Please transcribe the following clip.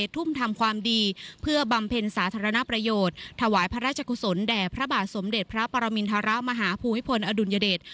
ทุ่มทำความดีเพื่อบำเพ็ญสาธารณประโยชน์ถวายพระราชกุศลแด่พระบาทสมเด็จพระปรมินทรมาหาภูมิพลอดุลยเดช